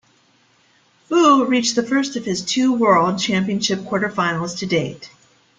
Fu reached the first of his two World Championship quarter-finals to date.